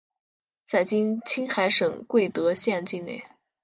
在今青海省贵德县境内。